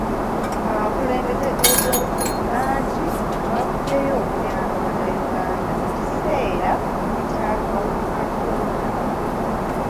Abakulembeze b'ebyobufuzi bangi bavuddeyo okuyamba bannayuganda mu kiseera ky'akawuka ka kolona.